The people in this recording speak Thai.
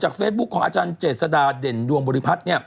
จากเฟซบุ๊กของอาจารย์เจษฎาเด่นดวงบุริภัฏ